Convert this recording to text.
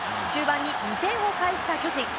終盤に２点を返した巨人。